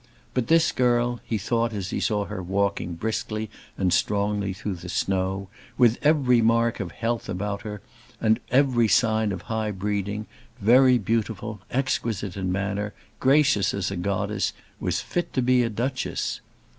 But this girl, he thought as he saw her walking briskly and strongly through the snow, with every mark of health about her, with every sign of high breeding, very beautiful, exquisite in manner, gracious as a goddess, was fit to be a Duchess!